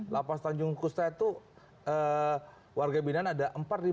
lapas tanjung kusta itu warga binaan ada empat lima ratus